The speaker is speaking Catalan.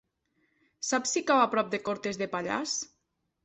Saps si cau a prop de Cortes de Pallars?